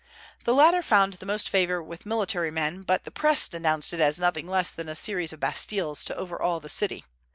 The latter found the most favor with military men, but the Press denounced it as nothing less than a series of Bastiles to overawe the city.